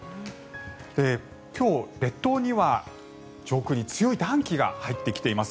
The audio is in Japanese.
今日、列島には上空に強い暖気が入ってきています。